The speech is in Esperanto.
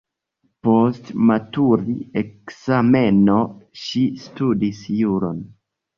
Post matur-ekzameno ŝi studis juron.